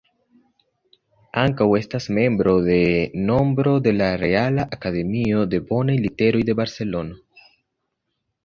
Ankaŭ estas membro de nombro de la Reala Akademio de Bonaj Literoj de Barcelono.